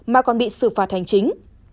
mà còn bị xử phạt hành chính